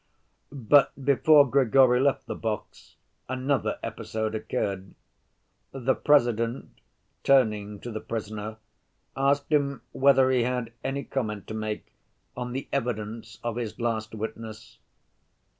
But before Grigory left the box another episode occurred. The President, turning to the prisoner, asked him whether he had any comment to make on the evidence of the last witness.